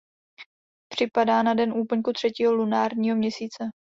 Připadá na den úplňku třetího lunárního měsíce.